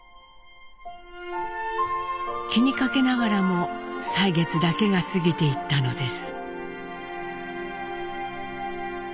気にかけながらも歳月だけが過ぎていったのです。